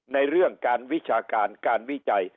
ในเรื่องการวิชาการการวิจัย